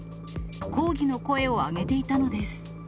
抗議の声を上げていたのです。